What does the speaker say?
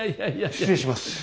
失礼します。